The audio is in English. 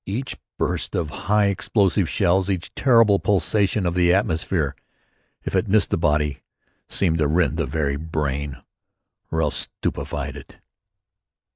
Each burst of high explosive shells, each terrible pulsation of the atmosphere, if it missed the body, seemed to rend the very brain, or else stupefied it.